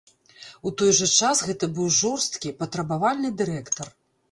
У той жа час гэта быў жорсткі, патрабавальны дырэктар.